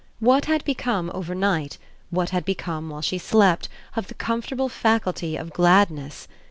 What had become overnight, what had become while she slept, of the comfortable faculty of gladness?